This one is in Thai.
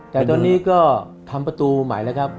แต่ตอนนี้ก็ทำประตูใหม่แล้วครับ